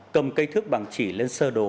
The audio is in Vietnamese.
cầm cây thước bằng chỉ lên sơ đồ